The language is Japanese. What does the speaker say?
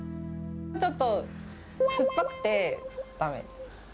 ちょっと酸っぱくて、だめ。